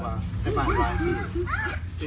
สวัสดีครับทุกคน